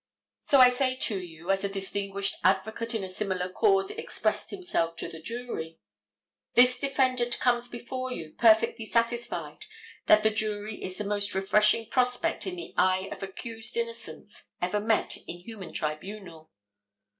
So I say to you, as a distinguished advocate in a similar cause expressed himself to the jury: This defendant comes before you perfectly satisfied that the jury is the most refreshing prospect in the eye of accused innocence ever met in human tribunal.